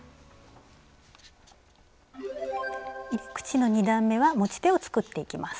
入れ口の２段めは持ち手を作っていきます。